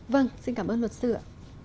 vâng xin cảm ơn luật sư ạ